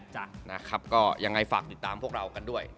จากอย่างไรฝากติดตามพวกเรากันด้วย